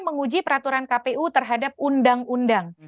menguji peraturan kpu terhadap undang undang